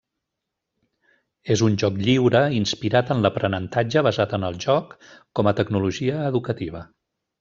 És un joc lliure inspirat en l'Aprenentatge basat en el joc, com a tecnologia educativa.